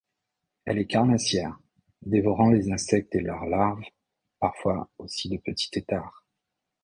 Elle est carnassière, dévorant les insectes et leurs larves, parfois aussi de petits têtards.